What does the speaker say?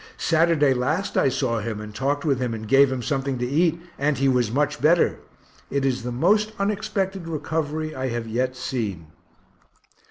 Saturday last I saw him and talked with him and gave him something to eat, and he was much better it is the most unexpected recovery I have yet seen.